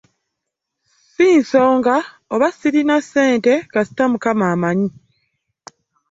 Ssi nsonga oba ssirina ssente kasita Mukama ammanyi.